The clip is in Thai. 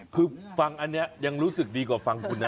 คือฟังอันนี้ยังรู้สึกดีกว่าฟังคุณนะ